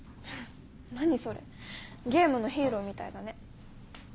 何それゲームのヒーローみたいだね。